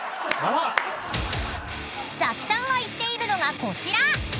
［ザキさんが言っているのがこちら］